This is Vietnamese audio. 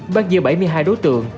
bắt giữ bảy mươi hai đối tượng